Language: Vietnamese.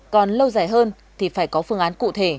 còn lâu dài hơn thì phải có phương án cụ thể